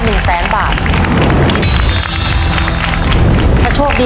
มีกำหนดข้อบังคับ